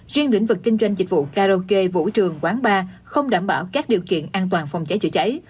riêng lĩnh vực kinh doanh dịch vụ karaoke vũ trường quán bar không đảm bảo các điều kiện an toàn phòng cháy chữa cháy